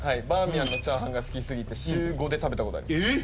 バーミヤンのチャーハンが好きすぎて週５で食べたことあります